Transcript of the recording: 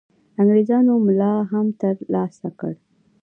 انګرېزانو ملاتړ هم تر لاسه کړي.